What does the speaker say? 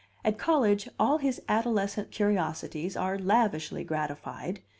At college all his adolescent curiosities are lavishly gratified.